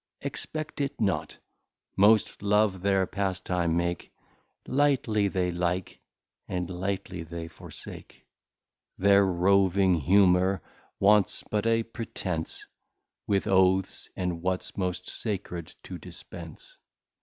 Expect it not: most, Love their Pastime make, Lightly they Like, and lightly they forsake; Their Roving Humour wants but a pretence With Oaths and what's most Sacred to dispence.